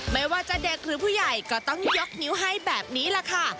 ไม่ว่าจะเด็กหรือผู้ใหญ่ก็ต้องยกนิ้วให้แบบนี้แหละค่ะ